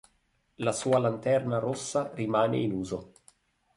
La sua lanterna rossa rimane in uso.